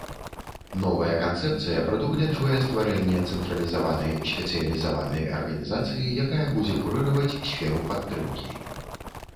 Новая канцэпцыя прадугледжвае стварэнне цэнтралізаванай спецыялізаванай арганізацыі, якая будзе курыраваць сферу падтрымкі.